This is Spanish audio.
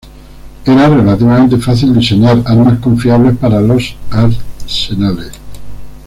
Era relativamente fácil diseñar armas confiables para los arsenales.